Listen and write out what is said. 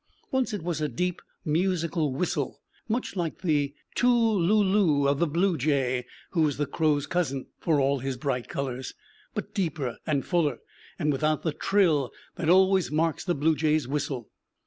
Once it was a deep musical whistle, much like the too loo loo of the blue jay (who is the crow's cousin, for all his bright colors), but deeper and fuller, and without the trill that always marks the blue jay's whistle.